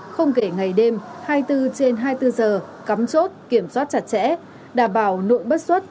không kể ngày đêm hai mươi bốn trên hai mươi bốn giờ cắm chốt kiểm soát chặt chẽ đảm bảo nội bất xuất